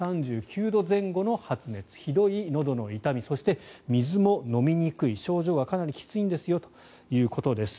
３９度前後の発熱ひどいのどの痛みそして、水も飲みにくい症状がかなりきついんですよということです。